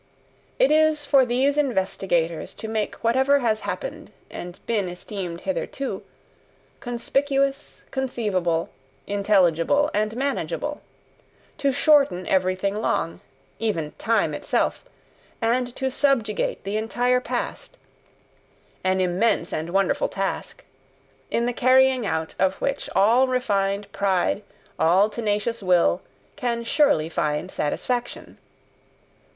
It is for these investigators to make whatever has happened and been esteemed hitherto, conspicuous, conceivable, intelligible, and manageable, to shorten everything long, even "time" itself, and to SUBJUGATE the entire past: an immense and wonderful task, in the carrying out of which all refined pride, all tenacious will, can surely find satisfaction.